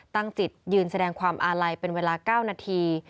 ตั้งจิตยืนแสดงความอาลัยเป็นเวลา๙นาที